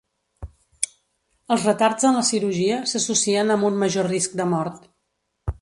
Els retards en la cirurgia s'associen amb un major risc de mort.